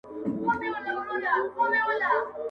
ته مي آیینه یې له غبار سره مي نه لګي!.